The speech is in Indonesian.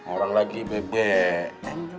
orang lagi bebek